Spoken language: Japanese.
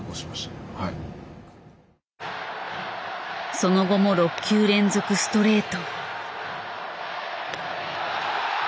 その後も６球連続ストレート。